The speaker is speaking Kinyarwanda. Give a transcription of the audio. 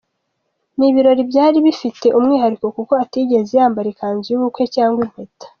Ni ibirori byari bifite umwihariko kuko atigeze yambara ikanzu y’ubukwe cyangwa impeta.